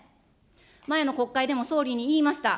前の国会でも総理に言いました。